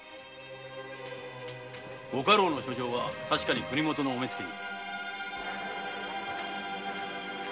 ご家老の書状は確かに国元のお目付に。